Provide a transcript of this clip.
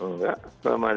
nggak belum ada